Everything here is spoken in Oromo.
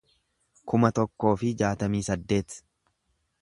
kuma tokkoo fi jaatamii saddeet